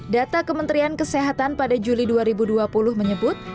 data kementerian kesehatan pada juli dua ribu dua puluh menyebut